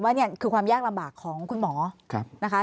ว่าคือความแยกลำบากของคุณหมอที่ทำงานมา